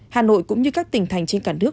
hà nội cũng như các tỉnh thành trên cả nước